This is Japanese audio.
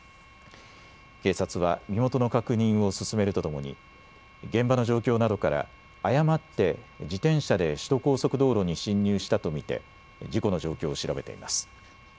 警察は身元の確認を進めるとともに現場の状況などから誤って自転車で首都高速道路に進入したと見て事故の状況を調べています。